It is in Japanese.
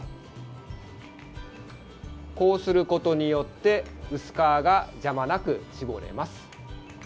こうすることによって薄皮が邪魔なく搾れます。